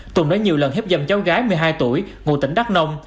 tùng đã nhiều lần hiếp dâm cháu gái một mươi hai tuổi ngụ tỉnh đắk nông